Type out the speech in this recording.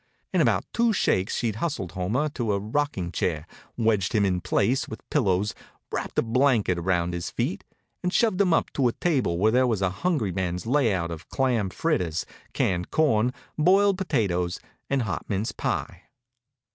In about two shakes she'd hustled Homer into a rocking chair, wedged him in place with pillows, wrapped a blanket around his feet, and shoved him up to a table where there was a hungry man's layout of clam fritters, canned corn, boiled potatoes and hot mince pie.